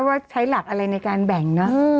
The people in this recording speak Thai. ว่าใช้หลักอะไรในการแบ่งเนอะ